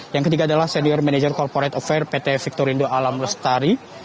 yang ketiga adalah senior manager corporate of air pt victorindo alam lestari